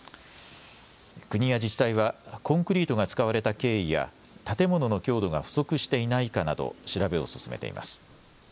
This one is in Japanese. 国や自治体はコンクリートが使われた経緯や建物の強度が不足していないかなど調べを進めています。